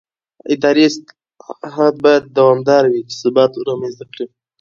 اداري اصلاحات باید دوامداره وي چې ثبات رامنځته کړي